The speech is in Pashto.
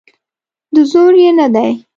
د زور یې نه دی.